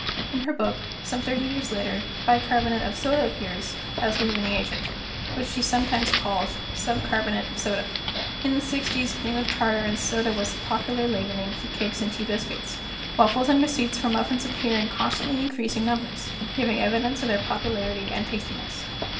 In her book, some thirty years later, bicarbonate of soda appears as a leavening agent, which she sometimes calls "sub carbonate of soda." In the sixties cream of tartar and soda was the popular leavening for cakes and tea biscuits; waffles and receipts for muffins appear in constantly increasing numbers, giving evidence of their popularity and tastiness.